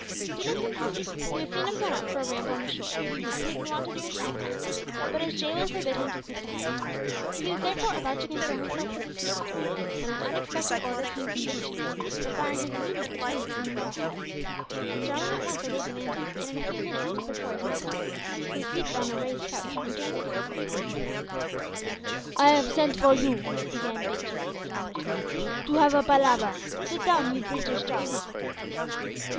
Dinner concluded, he would fain have gone out for a ramble on the shore as he had been wont to do in time past but his gaoler forbade him to quit the hut. He was therefore about to console himself with a siesta, when an unexpected order came from Big Chief, requiring his immediate attendance in the royal hut. Jarwin at once obeyed the mandate, and in a few minutes stood before his master, who was seated on a raised couch, enjoying a cup of cocoanut milk. "I have send for you," began Big Chief with solemnity, "to have a palaver. Sit down, you Breetish tar."